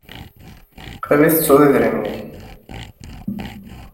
Qrib ay tettuḍ idrimen-nnek.